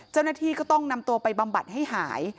เจ้าหน้าที่ก็ต้องนำตัวไปบำบัดให้หาย